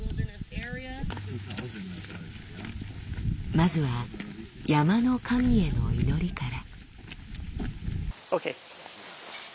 まずは山の神への祈りから。